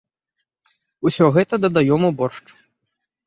Усё гэта дадаём у боршч.